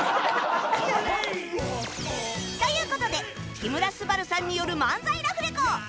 という事で木村昴さんによる漫才ラフレコ